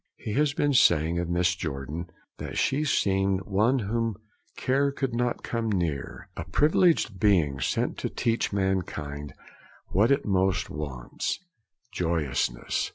He has been saying of Mrs. Jordan, that 'she seemed one whom care could not come near; a privileged being, sent to teach mankind what it most wants, joyousness.'